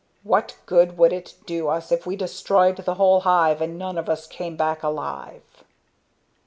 What good would it do us if we destroyed the whole hive, and none of us came back alive?"